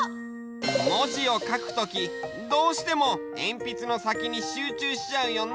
もじをかくときどうしてもえんぴつのさきにしゅうちゅうしちゃうよね。